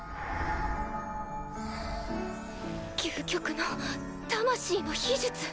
究極の魂の秘術！